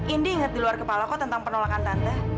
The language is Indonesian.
indi ingat di luar kepala kok tentang penolakan tante